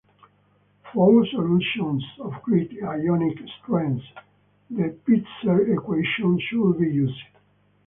For solutions of greater ionic strengths, the Pitzer equations should be used.